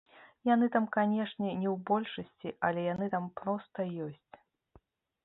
Яны там, канешне, не ў большасці, але яны там проста ёсць.